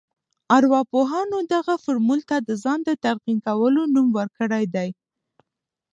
ارواپوهانو دغه فورمول ته د ځان ته د تلقين کولو نوم ورکړی دی.